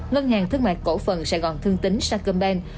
ngân hàng thức mạc cổ phần sài gòn thương tính sacombank